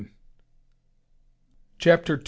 CHAPTER II.